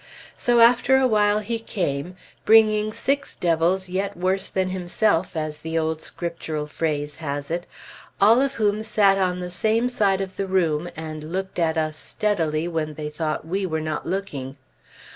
So after a while he came, "bringing six devils yet worse than himself," as the old Scriptural phrase has it, all of whom sat on the same side of the room, and looked at us steadily when they thought we were not looking.